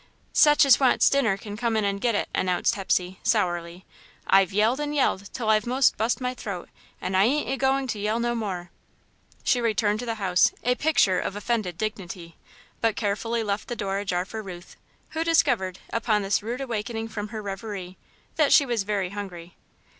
"Sech as wants dinner can come in and get it," announced Hepsey, sourly. "I've yelled and yelled till I've most bust my throat and I ain't a goin' to yell no more." She returned to the house, a picture of offended dignity, but carefully left the door ajar for Ruth, who discovered, upon this rude awakening from her reverie, that she was very hungry.